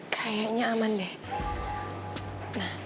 kayaknya aman deh